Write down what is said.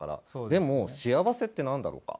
でも幸せって何だろうか？